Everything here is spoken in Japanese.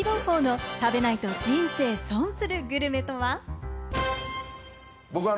四季ボウ坊の食べないと人生損するグルメとは？